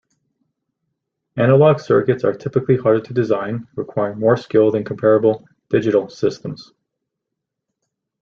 Analogue circuits are typically harder to design, requiring more skill than comparable digital systems.